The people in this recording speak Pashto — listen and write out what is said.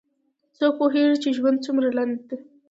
څوک پوهیږي چې ژوند څومره لنډ ده